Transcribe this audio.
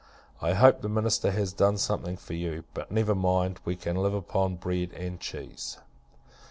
I hope, the minister has done something for you. But, never mind, we can live upon bread and cheese.